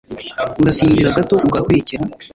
urasinzira gato, ugahwekera